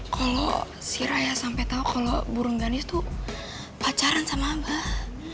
kalau si raya sampai tahu kalau burung ganis tuh pacaran sama abah